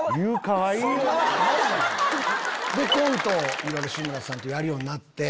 アハハ！でコントをいろいろ志村さんとやるようになって。